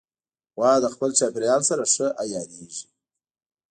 غوا د خپل چاپېریال سره ښه عیارېږي.